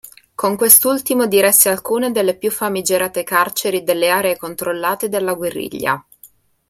Con quest'ultimo diresse alcune delle più famigerate carceri delle aree controllate dalla guerriglia.